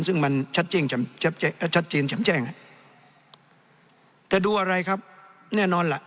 ซึ่งมันชัดเจนแช่งแต่ดูอะไรครับแน่นอนล่ะ